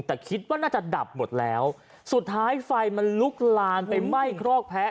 แต่คิดว่าน่าจะดับหมดแล้วสุดท้ายไฟมันลุกลานไปไหม้ครอกแพ้